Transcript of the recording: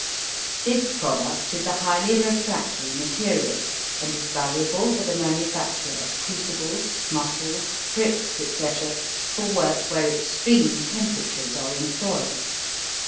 This product is a highly refractory material and is valuable for the manufacture of crucibles, muffles, bricks, etc., for work where extreme temperatures are employed.